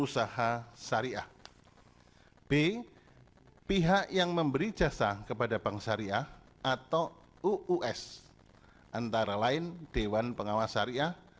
usaha b pihak yang memberi jasa kepada bank syariah atau uus antara lain dewan pengawas syariah